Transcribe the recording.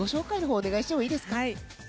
お願いしてもいいですか？